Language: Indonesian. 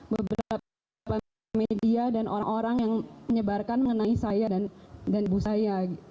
beberapa media dan orang orang yang menyebarkan mengenai saya dan ibu saya